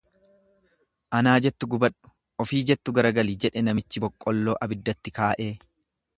Anaa jettu gubadhu, ofii jettu garagali jedhe namichi boqqolloo abiddatti kaa'ee.